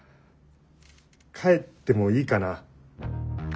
帰ってもいいかな？